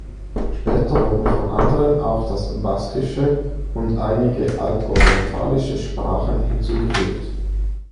Später wurden von anderen auch das Baskische und einige altorientalische Sprachen hinzugefügt.